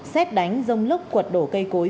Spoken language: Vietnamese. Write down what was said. xét đánh rông lốc quật đổ cây cối